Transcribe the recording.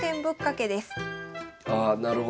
あなるほど。